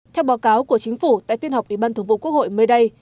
theo báo cáo của chính phủ tại phiên học ủy ban thủ vụ quốc hội mới đây